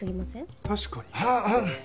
確かに。